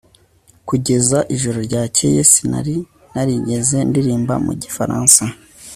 Kugeza ijoro ryakeye sinari narigeze ndirimba mu gifaransa